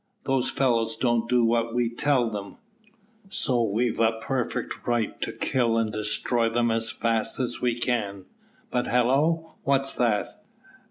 "Those fellows don't do what we tell them, so we've a perfect right to kill and destroy them as fast as we can; but, halloo, what's that?"